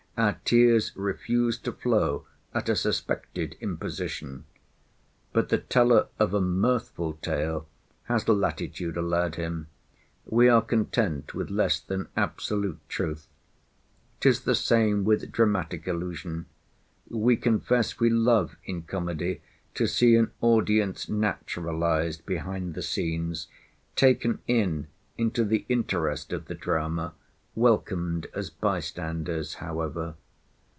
Our tears refuse to flow at a suspected imposition. But the teller of a mirthful tale has latitude allowed him. We are content with less than absolute truth. 'Tis the same with dramatic illusion. We confess we love in comedy to see an audience naturalised behind the scenes, taken in into the interest of the drama, welcomed as by standers however.